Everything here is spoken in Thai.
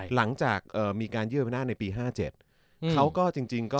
หลังจากมีการยื่นอำนาจในปี๕๗เขาก็จริงก็